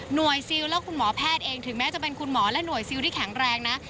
ซิลและคุณหมอแพทย์เองถึงแม้จะเป็นคุณหมอและหน่วยซิลที่แข็งแรงนะ